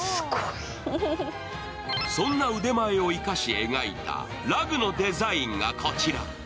そんな腕前を生かし描いたラグのデザインがこちら。